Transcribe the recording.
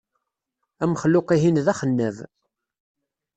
Amexluq-ihin d axennab.